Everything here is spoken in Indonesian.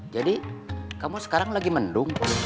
jadi kamu sekarang lagi mendung